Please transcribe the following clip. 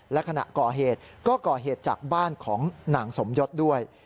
และขณะก่อเหตุก็ก่อเหตุจากบ้านของนางสมยศด้วย